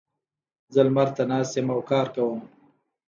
زه لمر ته ناست یم او کار کوم.